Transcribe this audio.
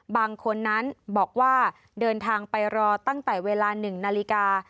บางคนนั้นบอกว่าเดินทางไปรอตั้งแต่เวลา๑นาฬิกา